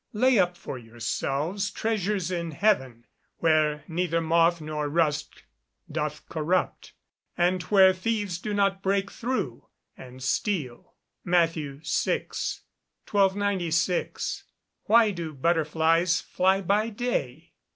[Verse: "Lay up for yourselves treasures in heaven, where neither moth nor rust doth corrupt, and where thieves do not break through and steal." MATT. VI.] 1296. _Why do butterflies fly by day?